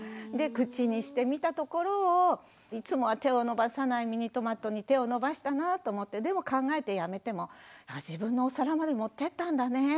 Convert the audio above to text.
で口にしてみたところをいつもは手を伸ばさないミニトマトに手を伸ばしたなぁと思ってでも考えてやめても「あ自分のお皿まで持ってたんだね」